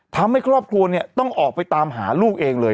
ทำให้ครอบครัวเนี่ยต้องออกไปตามหาลูกเองเลย